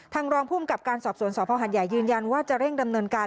ทางรองพุมกับการสอบสวนสภหยยืนยันว่าจะเร่งดำเนินการ